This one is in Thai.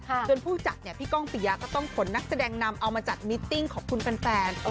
เพราะฉะนั้นผู้จัดเนี่ยพี่ก้องเปียก็ต้องผลนักแจดงนำเอามาจัดมิตติ้งของคุณแฟน